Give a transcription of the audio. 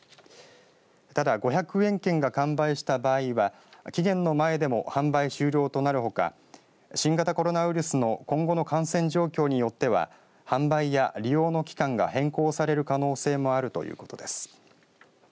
ただ５００円券が完売した場合は期限の前でも販売終了となるほか新型コロナウイルスの今後の感染状況によっては販売や利用の期間が変更される可能性もあるということです。